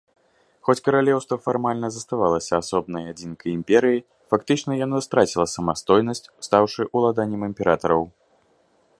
Хоць каралеўства фармальна заставалася асобнай адзінкай імперыі, фактычна яно страціла самастойнасць, стаўшы ўладаннем імператараў.